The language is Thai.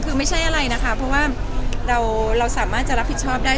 คือไม่ใช่อะไรนะคะเพราะว่าเราสามารถจะรับผิดชอบได้